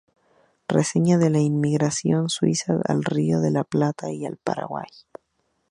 Reseña de la Inmigración Suiza al Río de la Plata y el Paraguay.